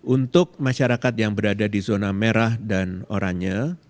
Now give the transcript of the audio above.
untuk masyarakat yang berada di zona merah dan oranye